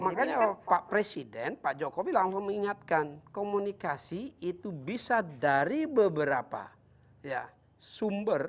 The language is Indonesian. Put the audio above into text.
makanya pak presiden pak jokowi langsung mengingatkan komunikasi itu bisa dari beberapa sumber